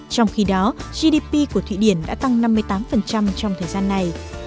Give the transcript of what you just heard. trong khi đó gdp của thụy điển đã tăng năm mươi tám trong thời gian này